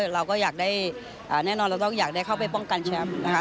เราก็อยากได้แน่นอนเราต้องอยากได้เข้าไปป้องกันแชมป์นะคะ